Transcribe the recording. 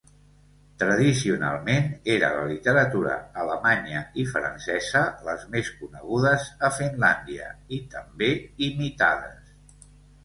Tradicionalment era la literatura alemanya i francesa les més conegudes a Finlàndia, i també imitades.